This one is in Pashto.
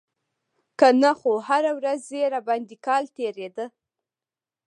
که نه خو هره ورځ يې راباندې کال تېرېده.